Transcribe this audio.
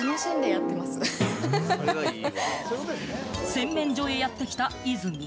洗面所へやってきた和泉。